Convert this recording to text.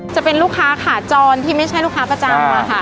จะเป็นลูกค้าขาจรที่ไม่ใช่ลูกค้าประจำค่ะ